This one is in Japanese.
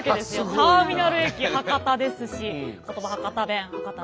ターミナル駅博多ですし言葉博多弁博多